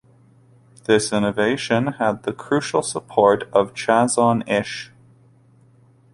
This innovation had the crucial support of the Chazon Ish.